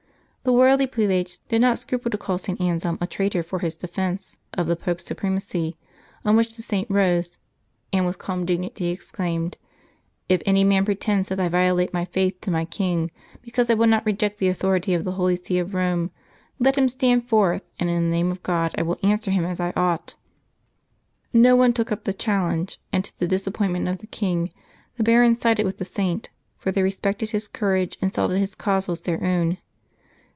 The worldly prelates did not scruple to call St. Anselm a traitor for his defence of the Pope's supremacy ; on which the Saint rose, and with calm dignity exclaimed, " If any man pretends that I violate my faith to my king because I will not reject the authority of the Holy See of Eome, let him stand forth, and in the name of God I will answer him as I ought." 'No one took up the challenge; and to the disappointment of the king, the barons sided with the Saint, for they respected his courage, and saw that his cause was their own.